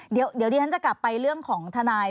เดี๋ยวดิฉันจะกลับไปเรื่องของทนาย